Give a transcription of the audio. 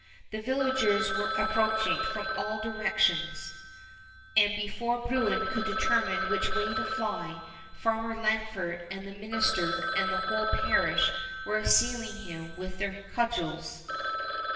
The villagers were ap 156 Fairy Tale Bears preaching from all directions, and before Bruin could determine which way to fly, Farmer Lanfert and the minister and the whole parish were assailing him with their cudgels.